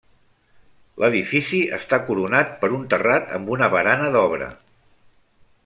L'edifici està coronat per un terrat amb una barana d'obra.